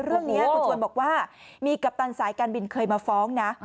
เรื่องนี้คุณชวนบอกว่ามีกัปตันสายการบินเคยมาฟ้องนะ